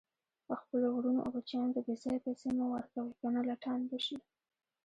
خپلو ورونو او بچیانو ته بیځایه پیسي مه ورکوئ، کنه لټان به شي